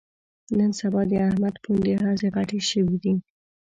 نن سبا د احمد پوندې هسې غټې شوې دي